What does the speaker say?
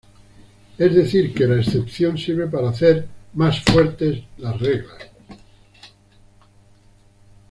Es decir, que la excepción sirve para hacer más fuertes las reglas.